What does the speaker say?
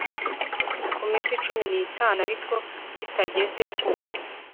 ku minsi cumi n itanu ariko kitageze ku